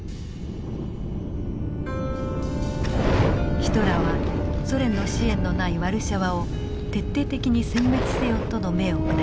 ヒトラーはソ連の支援のないワルシャワを徹底的にせん滅せよとの命を下しました。